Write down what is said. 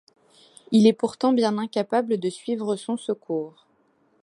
Il est pourtant bien incapable de suivre son secours.